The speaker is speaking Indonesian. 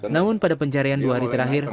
namun pada pencarian dua hari terakhir